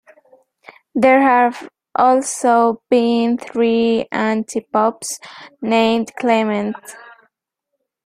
There have also been three antipopes named Clement.